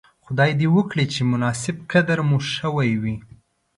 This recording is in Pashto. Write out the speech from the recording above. خدای دې وکړي چې مناسب قدر مو شوی وی.